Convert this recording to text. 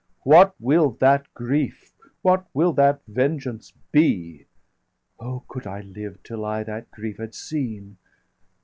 What will that grief, what will that vengeance be? Oh, could I live, till I that grief had seen!